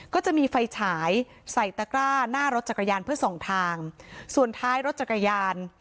ก็จะมีไฟฉายใส่ตะกร้าหน้ารถจักรยานเพื่อส่องทางส่วนท้ายรถจักรยาน